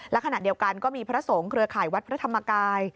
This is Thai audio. และขณะเดียวกันก็มีพระสงฆ์เครือข่ายวัดพระธรรมกาย